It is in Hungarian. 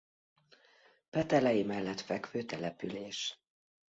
Petelei mellett fekvő település.